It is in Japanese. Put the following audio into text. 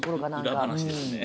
裏話ですね。